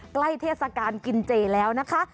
เทศกาลกินเจแล้วนะคะ